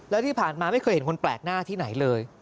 แล้วที่ผ่านมาไม่เคยเห็นคนแปลกหน้าที่ไหนเลย